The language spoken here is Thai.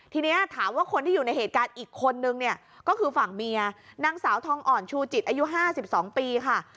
ทีนี้ถามว่าคนที่อยู่ในเหตุการณ์อีกคนนึงเนี่ยก็คือฝั่งเมียนางสาวทองอ่อนชูจิตอายุ๕๒ปีค่ะ